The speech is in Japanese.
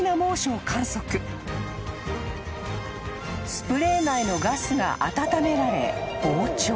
［スプレー内のガスが温められ膨張］